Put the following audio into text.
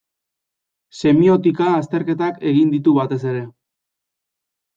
Semiotika azterketak egin ditu batez ere.